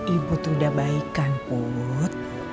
ibu tuh udah baik kan put